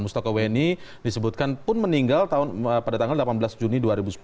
mustoko weni disebutkan pun meninggal pada tanggal delapan belas juni dua ribu sepuluh